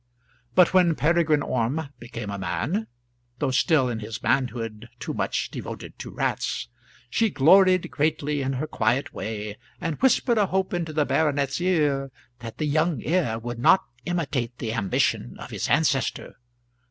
But when Peregrine Orme became a man though still in his manhood too much devoted to rats she gloried greatly in her quiet way, and whispered a hope into the baronet's ear that the young heir would not imitate the ambition of his ancestor.